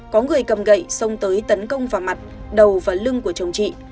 có người cầm gậy xông tới tấn công vào mặt đầu và lưng của chồng chị